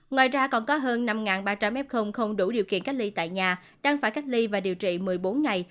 ngoài ra còn có hơn năm ba trăm linh f không đủ điều kiện cách ly tại nhà đang phải cách ly và điều trị một mươi bốn ngày